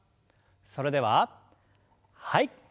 それでははい。